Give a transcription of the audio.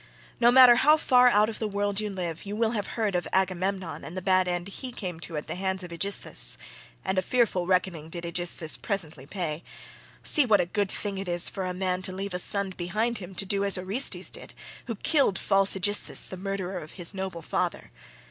No matter how far out of the world you live, you will have heard of Agamemnon and the bad end he came to at the hands of Aegisthus—and a fearful reckoning did Aegisthus presently pay. See what a good thing it is for a man to leave a son behind him to do as Orestes did, who killed false Aegisthus the murderer of his noble father.